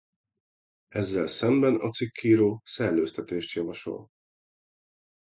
Ezzel szemben a cikkíró szellőztetést javasol.